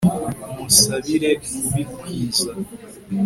umusabira kubikizwa